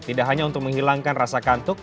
tidak hanya untuk menghilangkan rasa kantuk